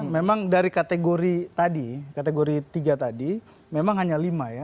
memang dari kategori tadi kategori tiga tadi memang hanya lima ya